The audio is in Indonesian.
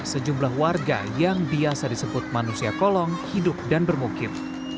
sejumlah warga yang biasa disebut manusia kolong hidup dan bermukim